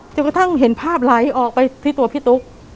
จนกระทั่งเห็นภาพไหลออกไปที่ตัวพี่ตุ๊ก